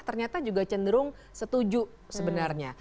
ternyata juga cenderung setuju sebenarnya